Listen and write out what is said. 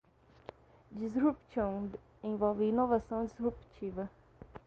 Disruption envolve inovação disruptiva.